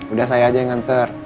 udah saya aja yang nganter